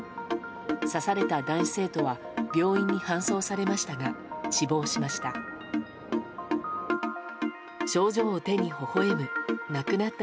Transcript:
刺された男子生徒は病院に搬送されましたが死亡しました。